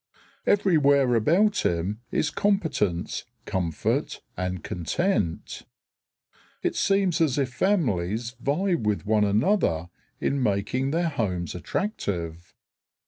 Everywhere about him is competence, comfort, and content. It seems as if families vie with one another in making their homes attractive.